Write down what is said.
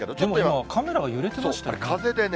カメラが揺れてましたよね。